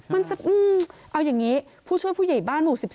มันจะเอาอย่างนี้ผู้ช่วยผู้ใหญ่บ้านหมู่๑๒